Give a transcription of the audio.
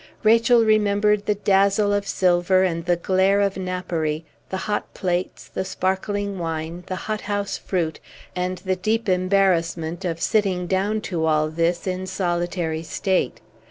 Rachel remembered the dazzle of silver and the glare of napery, the hot plates, the sparkling wine, the hot house fruit, and the deep embarrassment of sitting down to all this in solitary state.